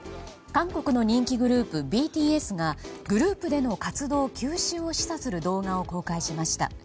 韓国人気グループのＢＴＳがグループでの活動休止を示唆する動画を公開しました。